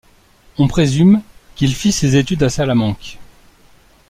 On présume qu'il fit ses études à Salamanque.